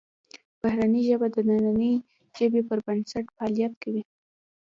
بهرنۍ ژبه د دنننۍ ژبې پر بنسټ فعالیت کوي